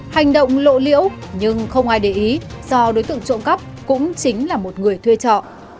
hành động lộ liễu nhưng không ai để ý do đối tượng trộm cắp cũng chính là một người thuê trọ